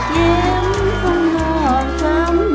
ที่ฝั่งถูก๖๐๐หน่อย